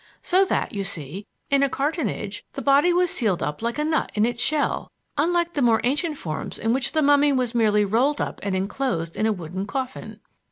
So that, you see, in a cartonnage, the body was sealed up like a nut in its shell, unlike the more ancient forms in which the mummy was merely rolled up and enclosed in a wooden coffin."